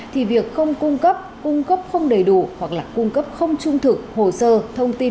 thì việc không cung cấp cung cấp không đầy đủ hoặc là cung cấp không trung thực hồ sơ thông tin